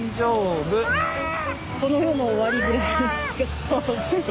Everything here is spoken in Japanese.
この世の終わりぐらい。